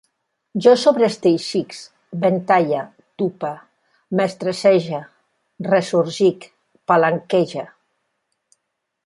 Jo sobreteixisc, ventalle, tupe, mestressege, ressorgisc, palanquege